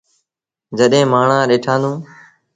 جڏهيݩ مآڻهآݩ ڏٽآݩدون۔